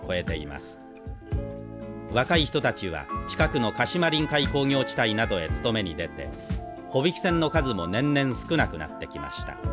若い人たちは近くの鹿島臨海工業地帯などへ勤めに出て帆引き船の数も年々少なくなってきました。